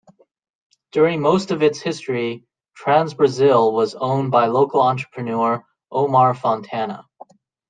During most of its history, Transbrasil was owned by local entrepreneur Omar Fontana.